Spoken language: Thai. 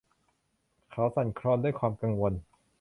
เขาสั่นคลอนด้วยความกังวล